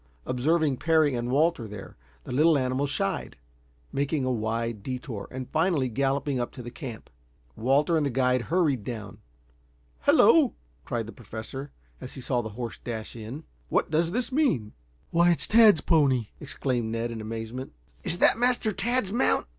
Observing Parry and Walter there, the little animal shied, making a wide detour, and finally galloping up to the camp. Walter and the guide hurried down. "Hello!" cried the Professor, as he saw the horse dash in. "What does this mean!" "Why, it's Tad's pony!" exclaimed Ned in amazement. "Is that Master Tad's mount?"